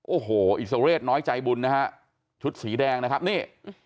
โอ้โหอิสระเรศน้อยใจบุญนะฮะชุดสีแดงนะครับนี่